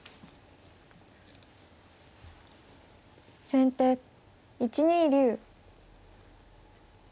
先手１二竜。